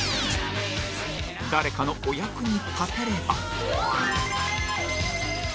誰かのお役に立てれば